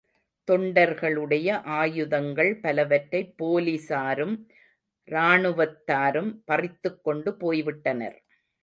தொண்டர்களுடைய ஆயுதங்கள் பலவற்றைப் போலிஸாரும் ராணுவத்தாரும் பறித்துக் கொண்டு போய்விட்டனர்.